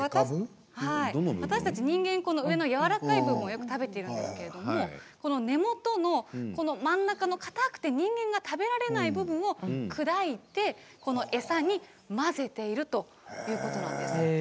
私たち人間は上のやわらかい部分をよく食べているんですが根元の真ん中の硬くて人間が食べられない部分を砕いて餌に混ぜているということなんです。